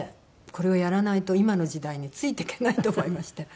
これをやらないと今の時代についていけないと思いまして。